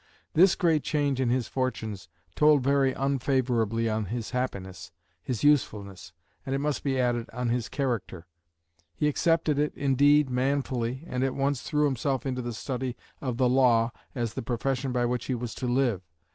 This great change in his fortunes told very unfavourably on his happiness, his usefulness, and, it must be added, on his character. He accepted it, indeed, manfully, and at once threw himself into the study of the law as the profession by which he was to live.